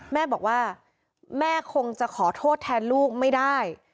แม่บอกว่าแม่คงจะขอโทษแทนลูกไม่ได้